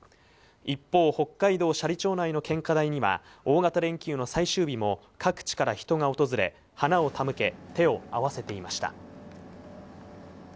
一方、北海道斜里町内の献花台には、大型連休の最終日も各地から人が訪れ、花を手向け、手を合わせていました。